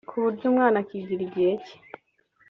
ku buryo umwana akigira icye